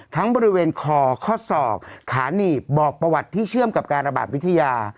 ทั้งบริเวณคอข้อศอกขาหนีบบอกประวัติที่เชื่อมกับการระบาดวิทยา